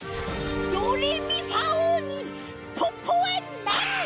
ドレミファおうにポッポはなる！